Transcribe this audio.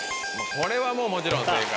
これはもちろん正解。